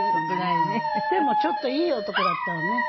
でもちょっといい男だったわね。